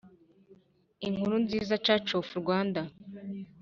Inkuru nziza church of rwanda